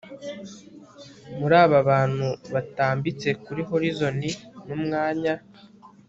muri aba bantu batambitse kuri horizon n'umwanya